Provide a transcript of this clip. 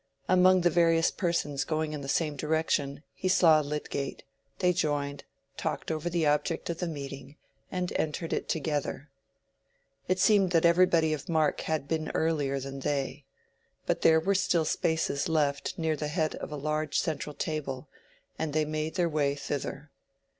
Among the various persons going in the same direction, he saw Lydgate; they joined, talked over the object of the meeting, and entered it together. It seemed that everybody of mark had been earlier than they. But there were still spaces left near the head of the large central table, and they made their way thither.